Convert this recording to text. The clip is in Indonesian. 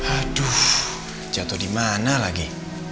aduh jatuh dimana lagi